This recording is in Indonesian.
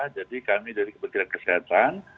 jadi kami dari kementerian kesehatan